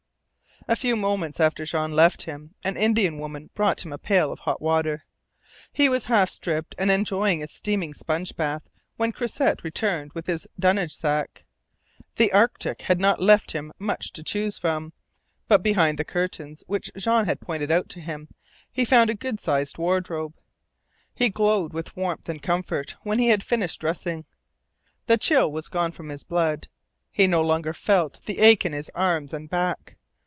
A few moments after Jean left him an Indian woman brought him a pail of hot water. He was half stripped and enjoying a steaming sponge bath when Croisset returned with his dunnage sack. The Arctic had not left him much to choose from, but behind the curtains which Jean had pointed out to him he found a good sized wardrobe. He glowed with warmth and comfort when he had finished dressing. The chill was gone from his blood. He no longer felt the ache in his arms and back.